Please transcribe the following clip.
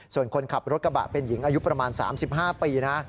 ส่วนคนขับรถกระบะเป็นหญิงอายุประมาณ๓๕ปีนะ